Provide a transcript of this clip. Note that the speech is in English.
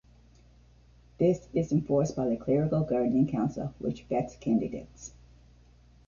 This is enforced by the clerical Guardian Council which vets candidates.